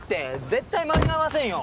絶対間に合いませんよ。